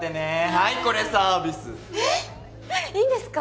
はいこれサービスえっいいんですか？